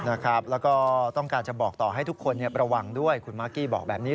แล้วก็ต้องการจะบอกต่อให้ทุกคนระวังด้วยคุณมากกี้บอกแบบนี้